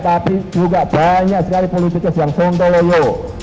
tapi juga banyak sekali politikus yang sontoloyo